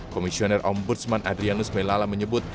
komisioner ombudsman adrianus melala menyebut